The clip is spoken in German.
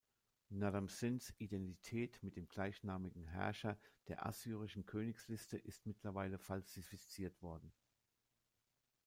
Narām-Sins Identität mit dem gleichnamigen Herrscher der assyrischen Königsliste ist mittlerweile falsifiziert worden.